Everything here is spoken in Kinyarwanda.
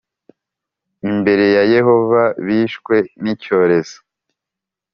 imbere ya Yehova bishwe n’icyorezo